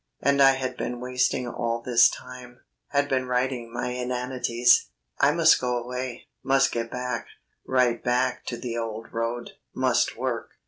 And I had been wasting all this time; had been writing my inanities. I must go away; must get back, right back to the old road, must work.